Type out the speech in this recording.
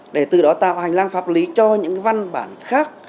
để từ đó tạo hành lang pháp lý cho những văn bản khác